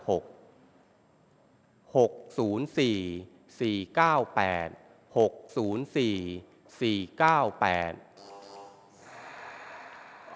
ออกทางวันที่๕ครั้งที่๕๘